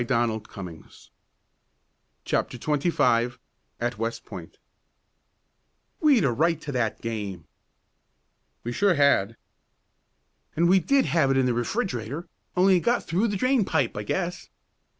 "Hard luck!" CHAPTER XXV AT WEST POINT "We'd a right to that game!" "Sure we had." "And we did have it in the refrigerator, only it got out through the drain pipe, I guess."